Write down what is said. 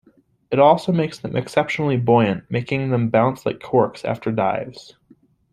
It also makes them exceptionally buoyant, making them bounce like corks after dives.